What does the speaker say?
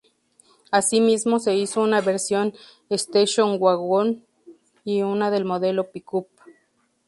Así mismo se hizo una versión Station wagon y una del modelo pick-up.